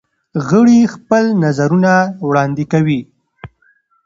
غړي خپل نظرونه وړاندې کوي.